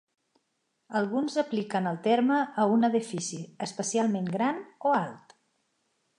Alguns apliquen el terme a un edifici especialment gran o alt.